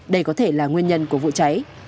đây có thể là nguyên nhân của vụ cháy